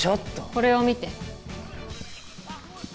これを見て。